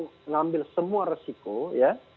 mengambil semua resiko ya